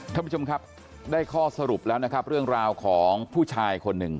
ท่านผู้ชมครับได้ข้อสรุปแล้วนะครับเรื่องราวของผู้ชายคนหนึ่ง